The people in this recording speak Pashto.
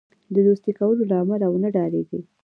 د دوستی کولو له امله ونه ډاریږي.